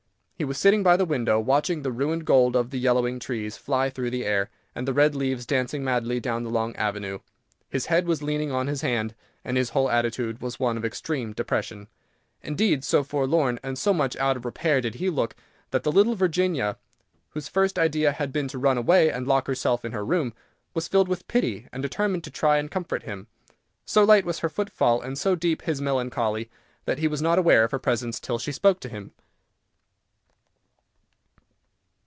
He was sitting by the window, watching the ruined gold of the yellowing trees fly through the air, and the red leaves dancing madly down the long avenue. His head was leaning on his hand, and his whole attitude was one of extreme depression. Indeed, so forlorn, and so much out of repair did he look, that little Virginia, whose first idea had been to run away and lock herself in her room, was filled with pity, and determined to try and comfort him. So light was her footfall, and so deep his melancholy, that he was not aware of her presence till she spoke to him.